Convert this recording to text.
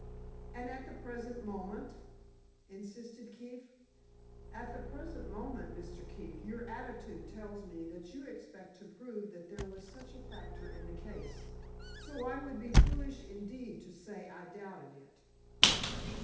"And at the present moment?" insisted Keefe. "At the present moment, Mr. Keefe, your attitude tells me that you expect to prove that there was such a factor in the case, so I would be foolish indeed to say I doubted it.